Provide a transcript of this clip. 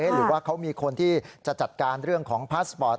หรือว่าเขามีคนที่จะจัดการเรื่องของพาสปอร์ต